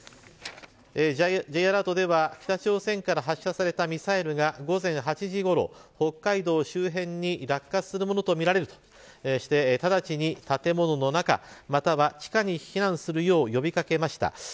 Ｊアラートでは、北朝鮮から発射されたミサイルが午前８時ごろ北海道周辺に落下するものとみられるとして直ちに、建物の中または地下に避難するよう呼び掛けました。